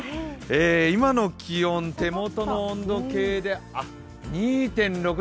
今の気温、手元の温度計で２．６度。